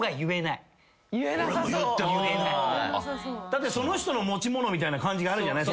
だってその人の持ち物みたいな感じがあるじゃない？